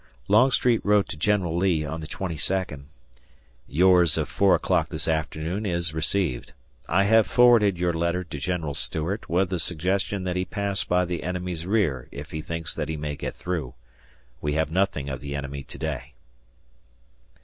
Longstreet wrote to General Lee, on the twenty second: Yours of 4 o'clock this afternoon is received. I have forwarded your letter to General Stuart with the suggestion that he pass by the enemy's rear, if he thinks that he may get through. We have nothing of the enemy to day.